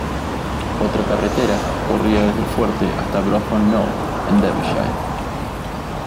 Otra carretera corría desde el fuerte hasta Brough on Noe en Derbyshire.